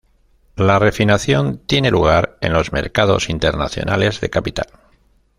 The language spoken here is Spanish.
La refinanciación tiene lugar en los mercados internacionales de capital.